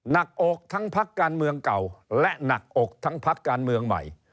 หนักอกทั้งพักการเมืองเก่าและหนักอกทั้งพักการเมืองใหม่